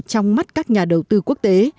trong mắt các nhà đầu tư quốc tế